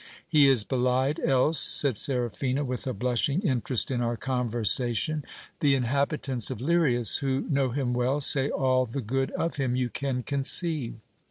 He is belied else, said Seraphina, with a blushing interest in our conversation ; the inhabitants of Lirias, who know him well, say all the good of him you can conceive.